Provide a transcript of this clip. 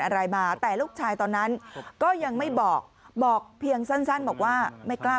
อะไรมาแต่ลูกชายตอนนั้นก็ยังไม่บอกบอกเพียงสั้นบอกว่าไม่กล้า